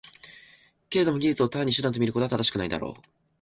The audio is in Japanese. けれども技術を単に手段と見ることは正しくないであろう。